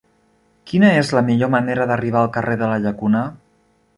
Quina és la millor manera d'arribar al carrer de la Llacuna?